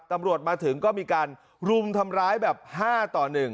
ตำรวจมาถึงก็มีการรุมทำร้ายแบบ๕ต่อ๑